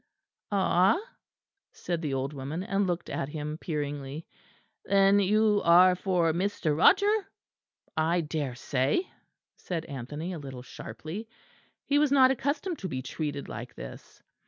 "Ah," said the old woman, and looked at him peeringly, "then you are for Mr. Roger?" "I daresay," said Anthony, a little sharply. He was not accustomed to be treated like this.